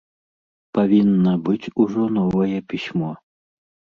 Павінна быць ужо новае пісьмо.